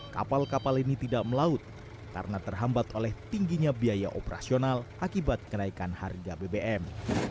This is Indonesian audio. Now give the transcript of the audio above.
kapal kapal ini tidak melaut karena terhambat oleh tingginya biaya operasional akibat kenaikan harga bbm